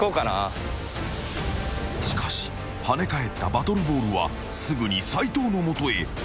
［しかしはね返ったバトルボールはすぐに斉藤の元へ］